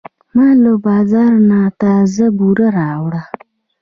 ما له بازار نه تازه بوره راوړه.